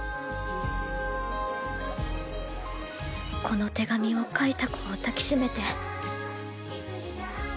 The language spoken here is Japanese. この手紙を書いた子を抱き締めて。